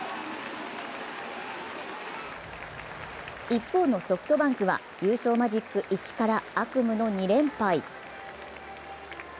一方のソフトバンクは優勝マジック１から悪夢の２連敗。